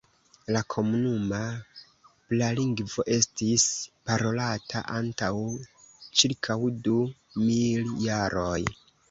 La komuna pralingvo estis parolata antaŭ ĉirkaŭ du mil jaroj.